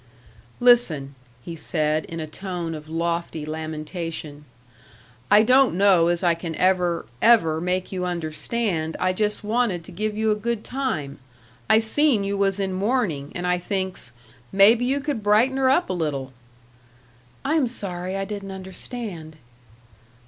"Listen," he said, in a tone of lofty lamentation, "I don't know as I can ever, ever make you understand I just wanted to give you a good time. I seen you was in mourning, and I thinks, 'Maybe you could brighten her up a little '" "I am sorry I didn't understand."